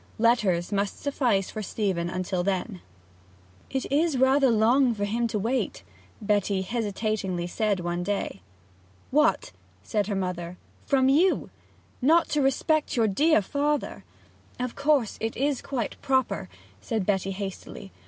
Letters must suffice for Stephen till then. 'It is rather long for him to wait,' Betty hesitatingly said one day. 'What!' said her mother. 'From you? not to respect your dear father ' 'Of course it is quite proper,' said Betty hastily.